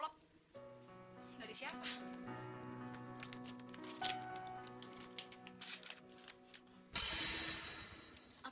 sunyi dip shear